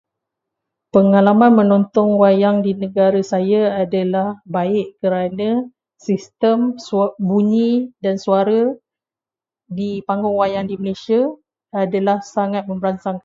Pengalaman menonton wayang di negara saya adalah baik kerana sistem sua- bunyi dan suara di panggung wayang di Malaysia adalah sangat memberangsangkan.